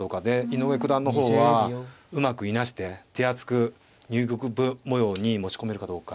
井上九段の方はうまくいなして手厚く入玉模様に持ち込めるかどうか。